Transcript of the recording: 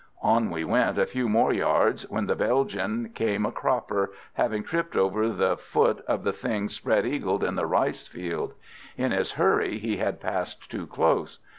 On we went a few more yards, when the Belgian came a cropper, having tripped over the foot of the thing spread eagled in the rice field. In his hurry he had passed too close.